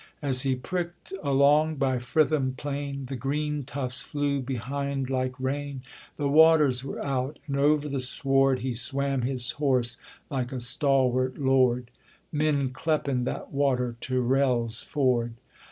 As he pricked along by Fritham plain, The green tufts flew behind like rain; The waters were out, and over the sward: He swam his horse like a stalwart lord: Men clepen that water Tyrrel's ford.